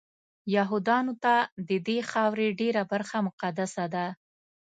یهودانو ته ددې خاورې ډېره برخه مقدسه ده.